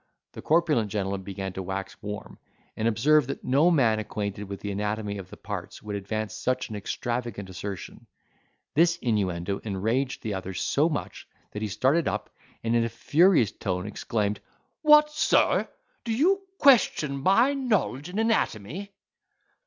The corpulent gentleman began to wax warm, and observed, that no man acquainted with the anatomy of the parts would advance such an extravagant assertion. This inuendo enraged the other so much, that he started up, and in a furious tone exclaimed: "What, Sir! do you question my knowledge in anatomy?"